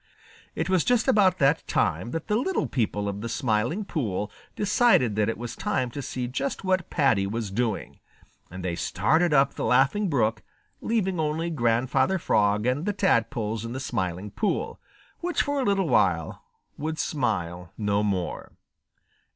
It was just about that time that the little people of the Smiling Pool decided that it was time to see just what Paddy was doing, and they started up the Laughing Brook, leaving only Grandfather Frog and the tadpoles in the Smiling Pool, which for a little while would smile no more.